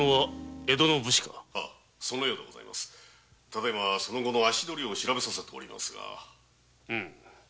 ただ今その後の足取りを調べさせておりますが。